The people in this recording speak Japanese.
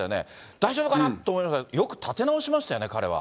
大丈夫かなと思いましたけど、よく立て直しましたよね、彼は。